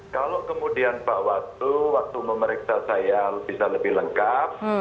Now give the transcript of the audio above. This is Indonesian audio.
kalau kemudian pak watu waktu memeriksa saya bisa lebih lengkap